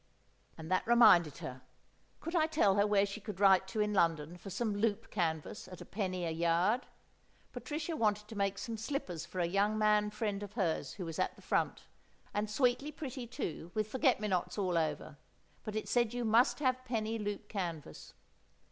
And that reminded her, could I tell her where she could write to in London for some Loop Canvas at a penny a yard? Patricia wanted to make some slippers for a young man friend of hers who was at the front, and sweetly pretty too, with forget me nots all over; but it said you must have penny Loop Canvas.